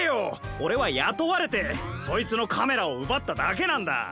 オレはやとわれてそいつのカメラをうばっただけなんだ。